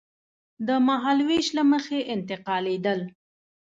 د مهالوېش له مخې انتقالېدل.